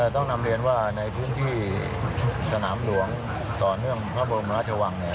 ต้องนำเรียนว่าในพื้นที่สนามหลวงต่อเนื่องพระบรมราชวังเนี่ย